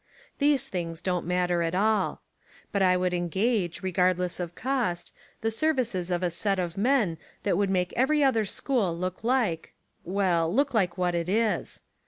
These things don't matter at all. But I would engage, re gardless of cost, the services of a set of men that would make every other school look like — well, look like what it is.